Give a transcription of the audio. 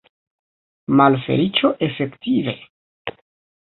Malfeliĉo, efektive?